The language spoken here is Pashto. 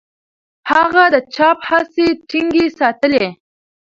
هغه د چاپ هڅې ټینګې ساتلې.